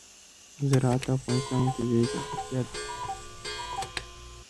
زراعت د افغانستان یوه طبیعي ځانګړتیا ده.